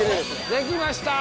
できました。